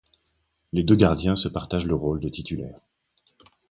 Les deux gardiens se partagent le rôle de titulaire.